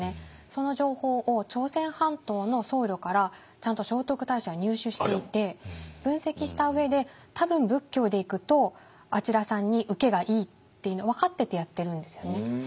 その情報を朝鮮半島の僧侶からちゃんと聖徳太子は入手していて分析した上で多分仏教でいくとあちらさんにウケがいいっていうの分かっててやってるんですよね。